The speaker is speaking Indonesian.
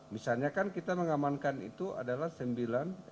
misalnya kan kita mengamankan itu adalah sembilan